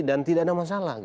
dan tidak ada masalah gitu